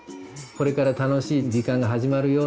「これから楽しい時間が始まるよ」